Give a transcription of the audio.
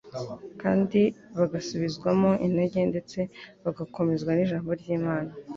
kandi bagasubizwamo intege ndetse bagakomezwa n'ijambo ry'Imana